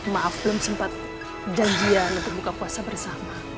maaf belum sempat janjian untuk buka puasa bersama